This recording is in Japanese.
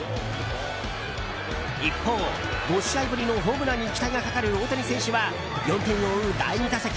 一方、５試合ぶりのホームランに期待がかかる大谷選手は４点を追う第２打席。